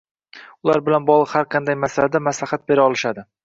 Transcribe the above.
Ular bilan bog’liq har qanday masalada maslahat bera olishadi